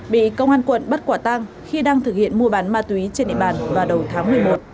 bị công an quận bắt quả tang khi đang thực hiện mua bán ma túy trên địa bàn vào đầu tháng một mươi một